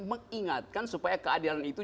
mengingatkan supaya keadilan itu